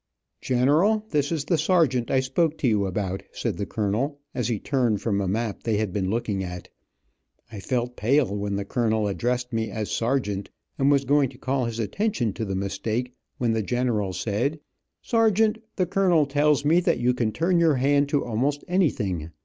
General, this is the sergeant I spoke to you about, said the colonel, as he turned from a map they had been looking at. I felt pale when the colonel addressed me as sergeant, and was going to call his attention to the mistake, when the general said: Sergeant, the colonel tells me that you can turn your hand to almost anything.